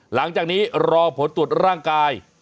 หลังจากนี้รอผลตรวจร่างกาย